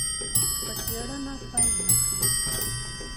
په څېړنه پیل وکړي.